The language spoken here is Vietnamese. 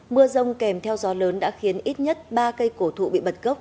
mưa rông kèm theo gió lớn đã khiến ít nhất ba cây cổ thụ bị bật gốc